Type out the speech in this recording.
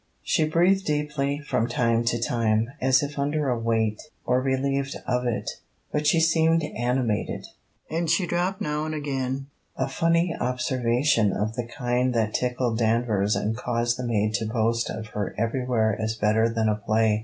She breathed deeply from time to time, as if under a weight, or relieved of it, but she seemed animated, and she dropped now and again a funny observation of the kind that tickled Danvers and caused the maid to boast of her everywhere as better than a Play.